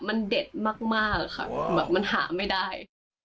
มันเด็ดมากค่ะแบบมันหาไม่ได้